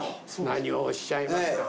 何をおっしゃいますか。